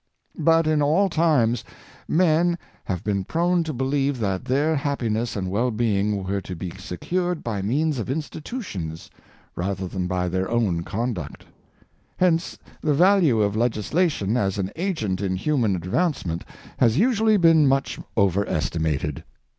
But, in all times, men have been prone to believe that their happiness and well being were to be secured by means of institutions rather than by their own conduct. Government and the Individual. 167 Hence the value of legislation as an agent in human ad vancement has usually been much over estimated.